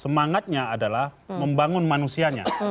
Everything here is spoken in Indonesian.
semangatnya adalah membangun manusianya